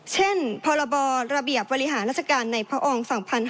เช่นพรบระเบียบบริหารราชการในพระองค์๒๕๕๙